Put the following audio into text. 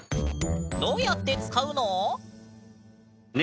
どうやって使うの？